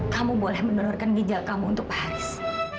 kamu boleh menonorkan ginjal kamu untuk paris